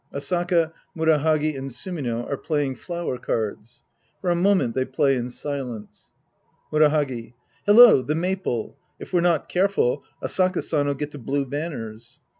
Asaka, Murahagi and SuMiNO are playing flower cards. For a moment they play in silence!) Murahagi. Hello, the maple ! If we're not care ful, Asaka San'll get the blue banners.